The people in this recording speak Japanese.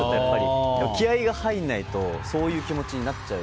気合が入らないとそういう気持ちになっちゃう。